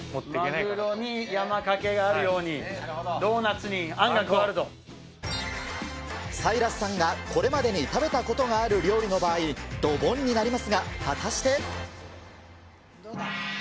マグロに山かけがあるように、サイラスさんがこれまでに食べたことがある料理の場合、ドボンになりますが、果たして。